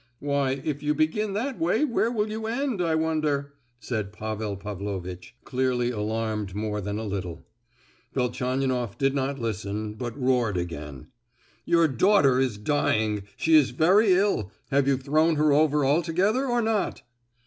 "Why, if you begin that way where will you end, I wonder!" said Pavel Pavlovitch, clearly alarmed more than a little. Velchaninoff did not listen, but roared again, "Your daughter is dying—she is very ill! Have you thrown her over altogether, or not?"